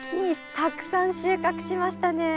たくさん収穫しましたね。